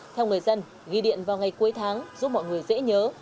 theo người dân ghi điện vào ngày cuối tháng giúp mọi người dễ nhớ